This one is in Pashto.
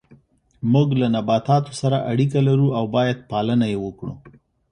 موږ له نباتاتو سره اړیکه لرو او باید پالنه یې وکړو